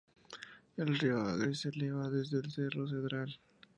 El río Agres se eleva desde el Cerro Cedral.